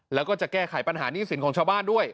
และจะแก้ไขปัญหานิสินของชาวบ้านด้วย